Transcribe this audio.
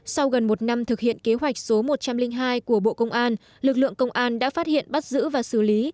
sau gần một năm thực hiện kế hoạch số một trăm linh hai của bộ công an lực lượng công an đã phát hiện bắt giữ và xử lý